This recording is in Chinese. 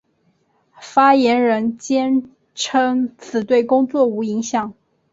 发言人坚称此对工作无影响。